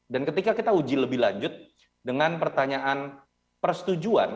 dan ketika kita uji lebih lanjut dengan pertanyaan persetujuan